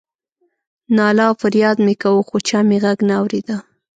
ناله او فریاد مې کاوه خو چا مې غږ نه اورېده.